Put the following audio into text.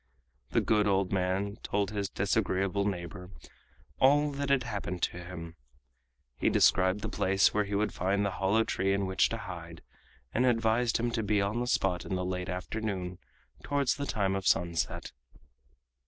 The good old man told his disagreeable neighbor all that had happened to him. He described the place where he would find the hollow tree in which to hide, and advised him to be on the spot in the late afternoon towards the time of sunset.